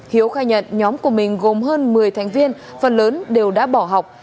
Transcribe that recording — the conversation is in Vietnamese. hiếu khai nhận nhóm của mình gồm hơn một mươi thành viên phần lớn đều đã bỏ học